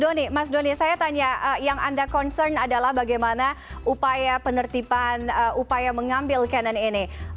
doni mas doni saya tanya yang anda concern adalah bagaimana upaya penertiban upaya mengambil cannon ini